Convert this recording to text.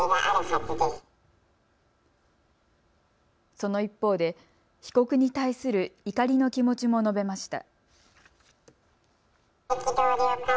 その一方で被告に対する怒りの気持ちも述べました。